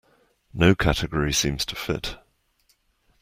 No category seems to fit.